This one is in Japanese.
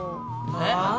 えっ？